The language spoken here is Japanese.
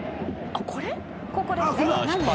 「あっこれだ」